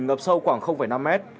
ngập sâu khoảng năm m